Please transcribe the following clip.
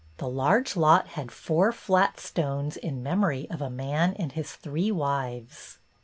The large lot had four flat stones in memory of a man and his three wives.